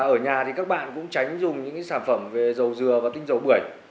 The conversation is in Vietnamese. ở nhà thì các bạn cũng tránh dùng những sản phẩm về dầu dừa và tinh dầu bưởi